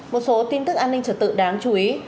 một số tin tức an ninh trở tự đáng chú ý